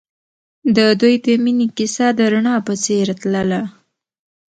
د دوی د مینې کیسه د رڼا په څېر تلله.